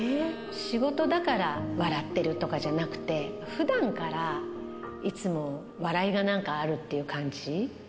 仕事だから笑ってるとかじゃなくて、ふだんから、いつも笑いがなんかあるっていう感じ。